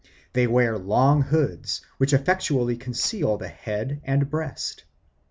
They wear long hoods, which effectually conceal the head and breast.